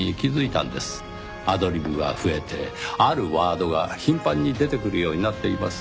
アドリブが増えてあるワードが頻繁に出てくるようになっています。